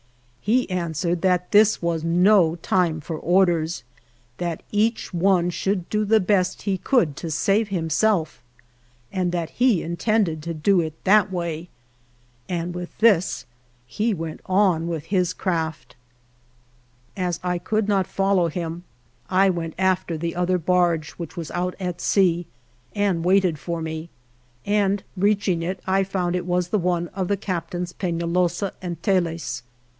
He an swered that this was no time for orders; that each one should do the best he could to save himself ; that he intended to do it that 5i THE JOURNEY OF way, and with this he went on with his craft 20 As I could not follow him, I went after the other barge, which was out at sea and waited for me, and reaching it I found it was the one of the Captains Penalosa and Tellez.